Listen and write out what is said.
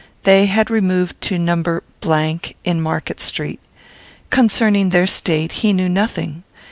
They had removed to No. , in Market Street. Concerning their state he knew nothing.